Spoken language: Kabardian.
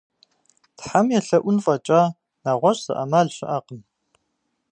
Тхьэм уелъэӀун фӀэкӀа, нэгъуэщӀ зы Ӏэмал щыӏэкъым.